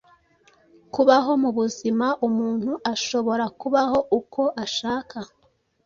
kubaho mu buzima umuntu ashobora kubaho uko ashaka